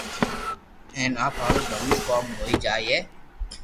ھين اپ ھارو ڀلو ڪوم ھوئي جائي